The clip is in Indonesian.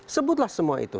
sebutlah semua itu